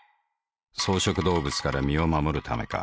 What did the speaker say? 草食動物から身を護るためか。